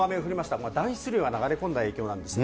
これは暖湿流が流れ込んだ影響なんですね。